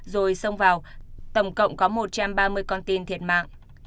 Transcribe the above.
rồi xông vào tổng cộng có một trăm ba mươi con tin thiệt mạng